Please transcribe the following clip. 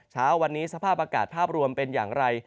เช้าวันนี้สภาพอากาศภาพรวมเป็นอย่างไร